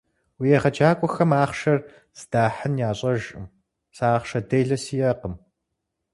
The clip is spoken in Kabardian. Уи егъэджакӀуэхэм ахъшэр зыдахьын ящӀэжкъым, сэ ахъшэ делэ сиӀэкъым.